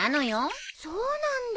そうなんだ。